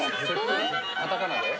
カタカナで？